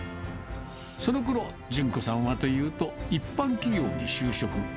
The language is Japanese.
そのころ、順子さんはというと、一般企業に就職。